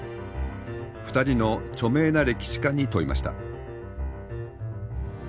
２人の著名な歴史家に問いました。